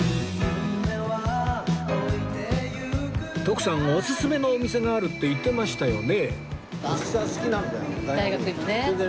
徳さんおすすめのお店があるって言ってましたよね？